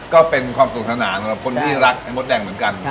ก็เป็นความสนุกสนานสำหรับคนที่รักไอ้มดแดงเหมือนกัน